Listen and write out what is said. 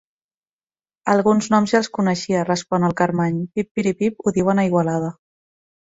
Alguns noms ja els coneixia —respon el Carmany—, pipiripip ho diuen a Igualada.